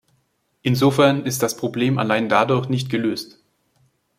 Insofern ist das Problem allein dadurch nicht gelöst.